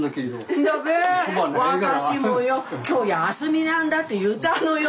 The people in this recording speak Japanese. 今日休みなんだって言ったのよ。